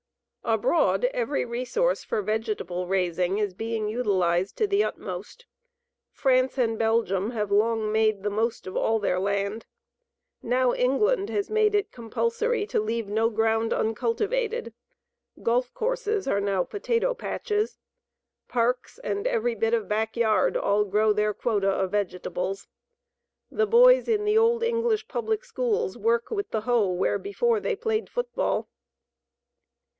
Abroad every resource for vegetable raising is being utilized to the utmost. France and Belgium have long made the most of all their land. Now England has made it compulsory to leave no ground uncultivated. Golf courses are now potato patches. Parks and every bit of back yard all grow their quota of vegetables. The boys in the old English public schools work with the hoe where before they played football.